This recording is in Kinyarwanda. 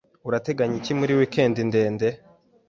Urateganya iki muri weekend ndende?